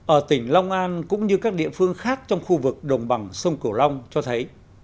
ở tỉnh long an cũng như các địa phương khác trong khu vực đồng bằng sông cửu long cho thấy